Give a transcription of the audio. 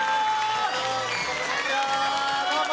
どうも！